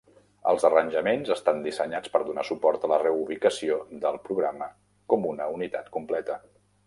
Els arranjaments estan dissenyats per donar suport a la reubicació del programa com una unitat completa.